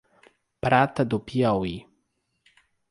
Prata do Piauí